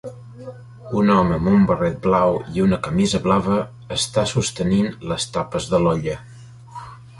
Un home amb un barret blau i una camisa blava està sostenint les tapes de l'olla.